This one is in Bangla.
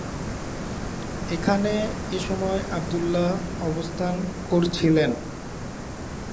এখানে এসময় আবদুল্লাহ অবস্থান করছিলেন।